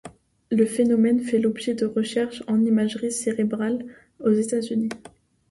Le phénomène fait l’objet de recherches en imagerie cérébrale aux États-Unis.